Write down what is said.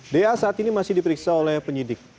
da saat ini masih diperiksa oleh penyidik